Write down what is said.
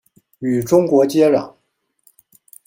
与中国接壤。